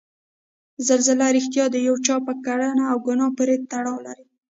زلزله ریښتیا د یو چا په کړنه او ګناه پورې تړاو لري؟